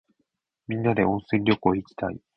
みんなで温泉旅行いきたい。